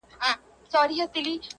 • بله ډله وايي سخت فهم دی,